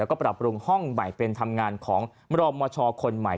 แล้วก็ปรับปรุงห้องใหม่เป็นทำงานของรอมชคนใหม่